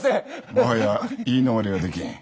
もはや言い逃れはできぬ。